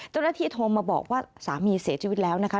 เจ้าหน้าที่โทรมาบอกว่าสามีเสียชีวิตแล้วนะคะ